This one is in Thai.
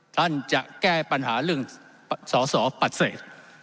ท่านจะแก้ปัญหาเรื่องสอสอปฏิเสธ